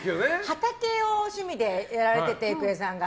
畑を趣味でやられてて郁恵さんが。